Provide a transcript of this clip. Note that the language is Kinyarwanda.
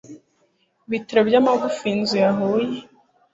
ibitaro by'amagufwa iyo inzu yahuye